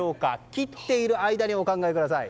切っている間にお考えください。